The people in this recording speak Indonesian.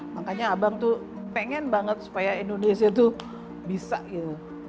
makanya abang tuh pengen banget supaya indonesia tuh bisa gitu